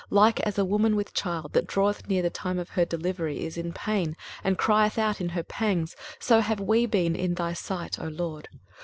23:026:017 Like as a woman with child, that draweth near the time of her delivery, is in pain, and crieth out in her pangs; so have we been in thy sight, O LORD.